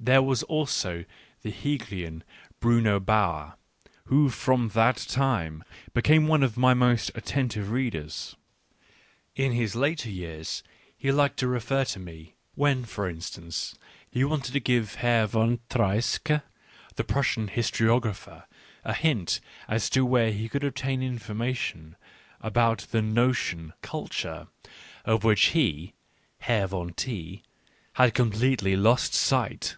There was also the Hegelian, Bruno Bauer, who from that time became one of my most atten tive readers. In his later years he liked to refer to Digitized by Google 78 ECCE HOMO me, when, for instance, he wanted to give Herr von Treitschke, the Prussian Historiographer, a hint as to where he could obtain information about the notion " Culture," of which he (Herr von T.) had completely lost sight.